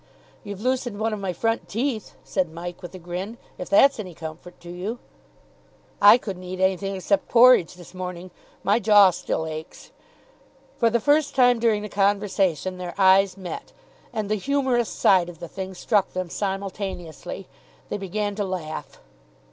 "You've loosened one of my front teeth," said Mike, with a grin, "if that's any comfort to you." "I couldn't eat anything except porridge this morning. My jaw still aches." For the first time during the conversation their eyes met, and the humorous side of the thing struck them simultaneously. They began to laugh.